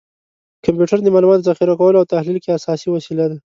کمپیوټر د معلوماتو ذخیره کولو او تحلیل کې اساسي وسیله ده.